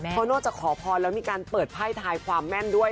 เพราะนอกจากขอพรแล้วมีการเปิดไพ่ทายความแม่นด้วย